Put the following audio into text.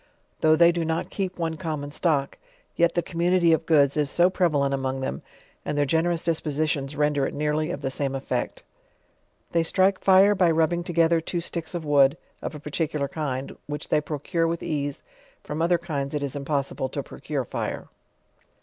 Though they do not keep one common stock, yet the community of goods is so prevalent among them, and their generous dispositions render it nearly of the same effect. They strike fire by rubbing together two sticks of wood, of a particular kind, which they procur e with ease; from oth er kinda it is impossible to procure fire.